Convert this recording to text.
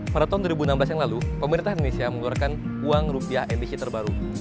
pada tahun dua ribu enam belas yang lalu pemerintah indonesia mengeluarkan uang rupiah emisi terbaru